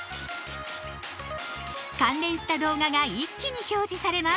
関連した動画が一気に表示されます。